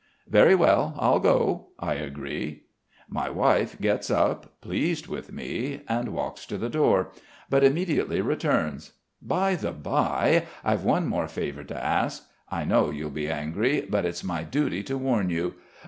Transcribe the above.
"Very well. I'll go," I agree. My wife gets up, pleased with me, and walks to the door; but immediately returns: "By the bye, I've one more favour to ask. I know you'll be angry; but it's my duty to warn you....